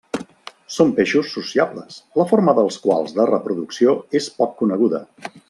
Són peixos sociables, la forma dels quals de reproducció és poc coneguda.